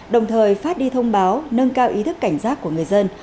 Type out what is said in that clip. đồng thời phát đi thông báo nâng cao ý thức cảnh giác của người dân